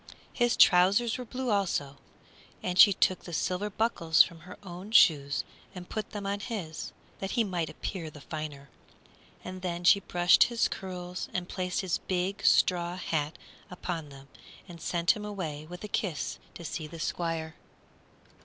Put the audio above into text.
His trousers were blue, also, and she took the silver buckles from her own shoes and put them on his, that he might appear the finer. And then she brushed his curls and placed his big straw hat upon them and sent him away with a kiss to see the Squire.